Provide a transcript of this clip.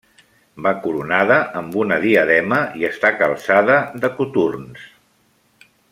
Va coronada amb una diadema i està calçada de coturns.